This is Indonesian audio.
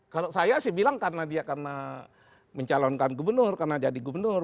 kalau saya sih bilang karena dia karena mencalonkan gubernur karena jadi gubernur